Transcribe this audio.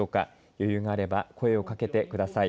余裕があれば声をかけてください。